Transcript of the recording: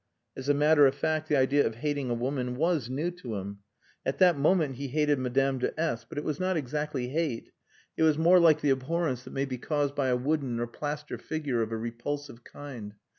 As a matter of fact, the idea of hating a woman was new to him. At that moment he hated Madame de S . But it was not exactly hate. It was more like the abhorrence that may be caused by a wooden or plaster figure of a repulsive kind.